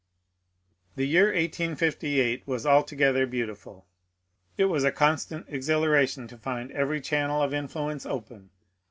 T3ie year 1858 was altogether beautiful. It was a constant exhilaration to find every channel of influence open.